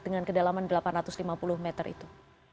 dengan kedalaman delapan ratus lima puluh meter itu